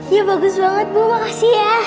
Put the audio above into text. ya bagus banget bu makasih ya